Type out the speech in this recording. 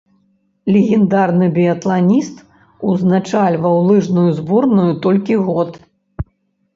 Легендарны біятланіст узначальваў лыжную зборную толькі год.